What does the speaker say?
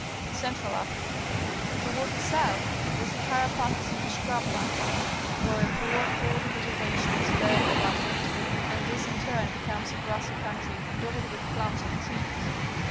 Central Africa. — Toward the south the Sahara passes into scrub land, where a poor, thorny vegetation is fairly abundant, and this in turn becomes a grassy country dotted with clmnps of trees.